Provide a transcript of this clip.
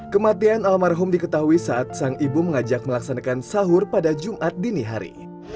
kematian almarhum diketahui saat sang ibu mengajak melaksanakan sahur pada jumat dini hari